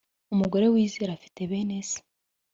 umugore wizera afite bene se